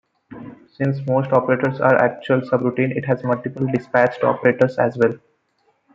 Since most operators are actually subroutines, it has multiple dispatched operators as well.